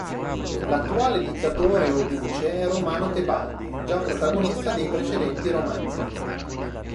L'attuale dittatore o Duce è Romano Tebaldi, già protagonista dei precedenti romanzi.